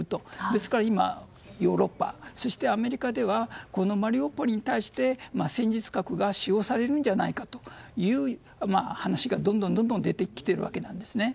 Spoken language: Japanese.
ですから今、ヨーロッパそしてアメリカではこのマリウポリに対して戦術核が使用されるのではないかという話がどんどん出てきているわけなんですね。